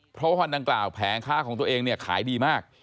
เพราะว่าฮอนดังกล่าวแผงค่าของตัวเองขายดีมาก